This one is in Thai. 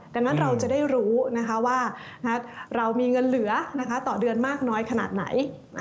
ดังนั้นเราจะได้รู้ว่าเรามีเงินเหลือต่อเดือนมากน้อยขนาดไหน